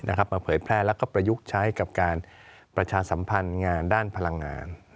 มาเผยแพร่แล้วก็ประยุกต์ใช้กับการประชาสัมพันธ์งานด้านพลังงาน